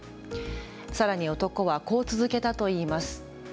さらに男はこう続けたといいます。